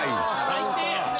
最低やん！